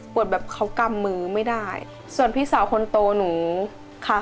แบบเขากำมือไม่ได้ส่วนพี่สาวคนโตหนูค่ะ